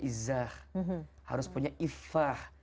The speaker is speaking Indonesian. izzah harus punya iffah